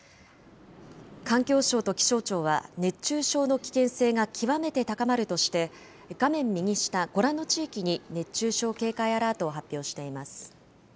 環境省と気象庁は、熱中症の危険性が極めて高まるとして、画面右下、ご覧の地域に熱中症警戒アラートを発表しています。